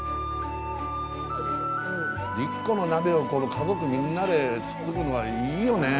１個の鍋を家族みんなでつっつくのはいいよね。